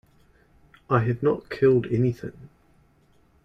I have not killed anything.